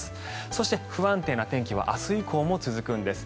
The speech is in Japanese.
そして、不安定な天気は明日以降も続くんです。